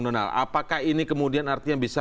donald apakah ini kemudian artinya bisa